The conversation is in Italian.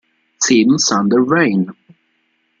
Siim-Sander Vene